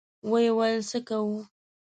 ويې ويل: څه کوو؟